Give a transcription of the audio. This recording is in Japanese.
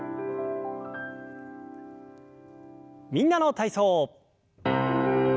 「みんなの体操」。